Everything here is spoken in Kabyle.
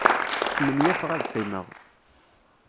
Smenyafeɣ ad qqimeɣ.